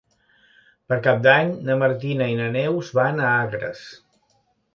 Per Cap d'Any na Martina i na Neus van a Agres.